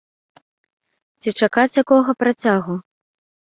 Ці чакаць якога працягу?